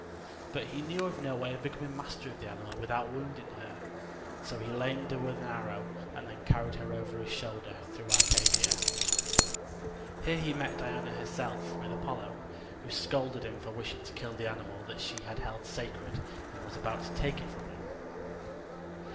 But he knew of no way of becoming master of the animal without wounding her, so he lamed her with an arrow and then carried her over his shoulder through Arcadia. Here he met Diana herself with Apollo, who scolded him for wishing to kill the animal that she had held sacred, and was about to take it from him.